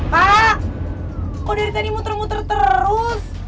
pak kok dari tadi muter muter terus